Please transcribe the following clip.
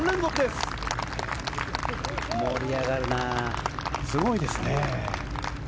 すごいですね。